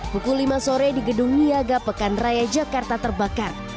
pukul lima sore di gedung niaga pekan raya jakarta terbakar